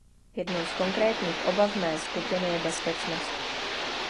Jednou z konkrétních obav mé skupiny je bezpečnost.